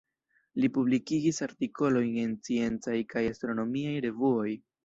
Li publikigis artikolojn en sciencaj kaj astronomiaj revuoj.